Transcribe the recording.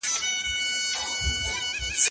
ساینس پوهنځۍ له پامه نه غورځول کیږي.